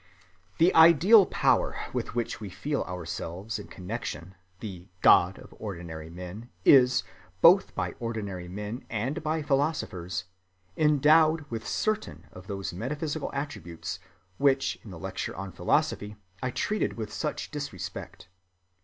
The ideal power with which we feel ourselves in connection, the "God" of ordinary men, is, both by ordinary men and by philosophers, endowed with certain of those metaphysical attributes which in the lecture on philosophy I treated with such disrespect.